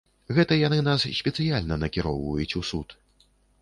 Гэта яны нас спецыяльна накіроўваюць у суд.